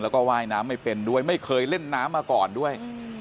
แล้วก็ว่ายน้ำไม่เป็นด้วยไม่เคยเล่นน้ำมาก่อนด้วย